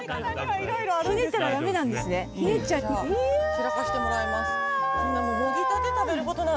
開かせてもらいます。